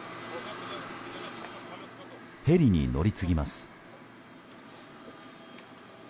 ヘリに乗り継ぎます。